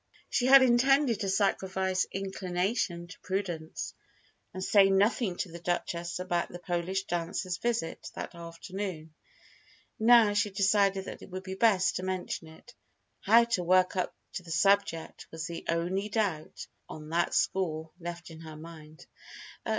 She had intended to sacrifice inclination to prudence, and say nothing to the Duchess about the Polish dancer's visit that afternoon. Now, she decided that it would be best to mention it. How to work up to the subject was the only doubt on that score left in her mind.